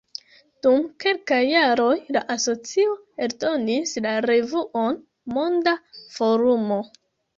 Dum kelkaj jaroj la asocio eldonis la revuon „Monda Forumo“.